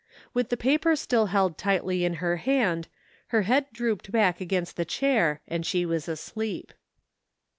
With the paper still held tightly in her hand, her liead drooped back against the chair and she was asleep.